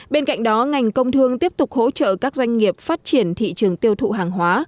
bên cạnh đó ngành công thương tiếp tục hỗ trợ các doanh nghiệp phát triển thị trường tiêu thụ hàng hóa